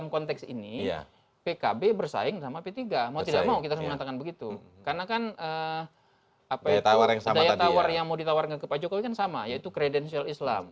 karena kan apa itu daya tawar yang mau ditawarkan ke pak jokowi kan sama yaitu kredensial islam